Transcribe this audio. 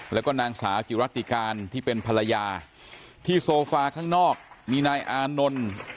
แล้วก็นางสาวจิรัติการที่เป็นภรรยาที่โซฟาข้างนอกมีนายอานนท์